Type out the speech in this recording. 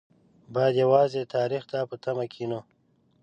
باید یوازې تاریخ ته په تمه کېنو.